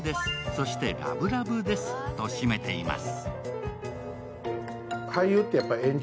そして、ラブラブですと締めています。